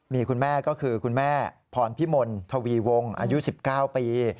มีคุณแม่ก็คือคุณแม่พรพิมลทวีวงอายุ๑๙ปี